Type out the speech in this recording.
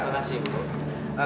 terima kasih bu